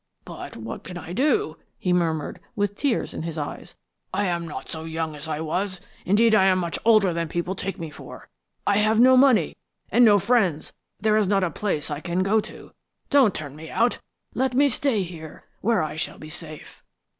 "But what can I do?" he murmured, with tears in his eyes. "I am not so young as I was, indeed I am much older than people take me for. I have no money and no friends, there is not a place I can go to. Don't turn me out let me stay here, where I shall be safe."